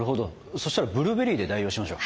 そしたらブルーベリーで代用しましょう。